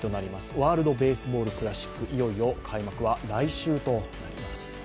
ワールドベースボールクラシック、いよいよ開幕は来週となります。